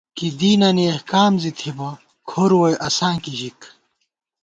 کی دینی احکام زی تھِتبہ کھُر ووئی اسانکی ژِک